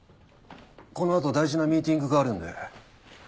この後大事なミーティングがあるんで。